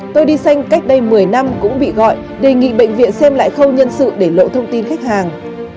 tôi đi xanh cách đây một mươi năm cũng bị gọi đề nghị bệnh viện xem lại khâu nhân sự để lộ thông tin khách hàng